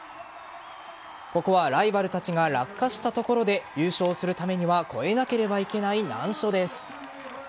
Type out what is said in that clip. ここはライバルたちが落下したところで優勝するためには越えなければいけない難所です。